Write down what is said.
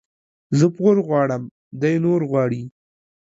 زه پور غواړم ، دى نور غواړي.